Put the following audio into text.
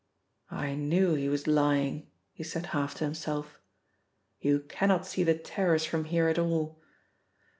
"I knew he was lying," he said half to himself. "You cannot see the terrace from here at all.